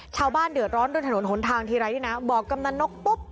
ชาวบ้านเดือดร้อนเรื่องถนนหนทางทีไรด้วยนะบอกกำนันนกปุ๊บ